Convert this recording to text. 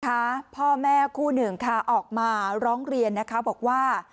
ค่ะพ่อแม่คู่หนึ่งค่ะออกมาร้องเรียนนะคะบอกว่า